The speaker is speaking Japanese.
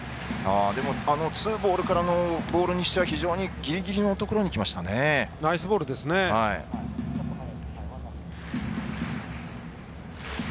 ツーボールからのボールにしては非常にぎりぎりのところにナイスボールですね。